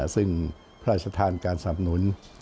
ซึ่งพระราชทานการสับหนุน